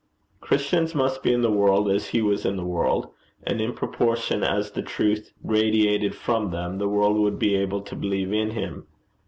Christians must be in the world as He was in the world; and in proportion as the truth radiated from them, the world would be able to believe in Him.